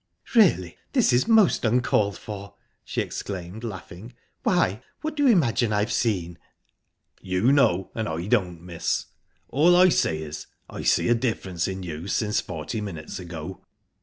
"Really, this is most uncalled for!" she exclaimed, laughing. "Why, what do you imagine I've seen?" "You know and I don't, miss. All I say is, I see a difference in you since forty minutes ago."